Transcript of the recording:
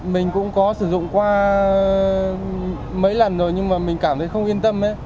mình cũng có sử dụng qua mấy lần rồi nhưng mà mình cảm thấy không yên tâm